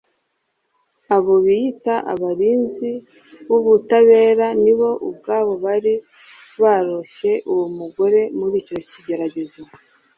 Abo biyitaga abarinzi b'ubutabera ni bo ubwabo bari bararoshye uwo mugore muri icyo kigeragezo,